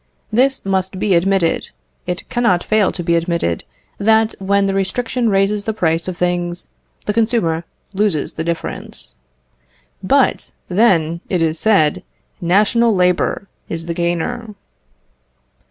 This must be admitted; it cannot fail to be admitted, that when the restriction raises the price of things, the consumer loses the difference. But, then, it is said, national labour is the gainer.